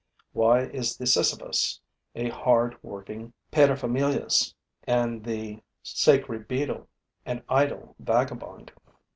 Why is the Sisyphus a hard working paterfamilias and the sacred beetle an idle vagabond?